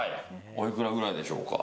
おいくらぐらいでしょうか？